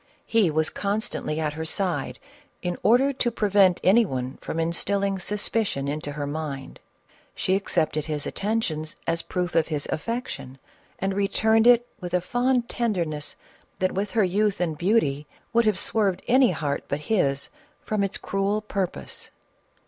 Ho was constantly at her side, in order to prevent any one from instilling suspicion into her mind. She accepted his attentions as proof of his affection, and returned it with a fond tenderness that, with her youth and beauty, would have swerved any heart but his from its cruel purpose.